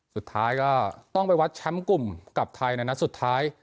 สุดท้ายก็ต้องไปวัดแชมป์กลุ่มกับไทยในนัดสุดท้าย